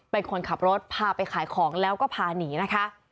เป็นคนขับรถพาไปขายของแล้วก็พาหนีนะคะ